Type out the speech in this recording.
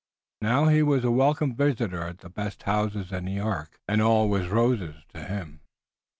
Now, he was a welcome visitor at the best houses in New York, and all was rose to him.